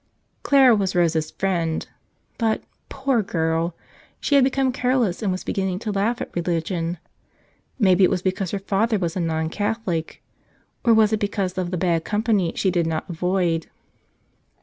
Clara was Rose's friend, but, poor girl! she had become careless and was beginning to laugh at re¬ ligion. Maybe it was because her father was a non Catholic. Or was it because of the bad company she did not avoid?